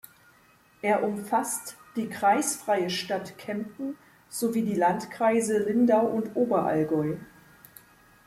Er umfasst die kreisfreie Stadt Kempten sowie die Landkreise Lindau und Oberallgäu.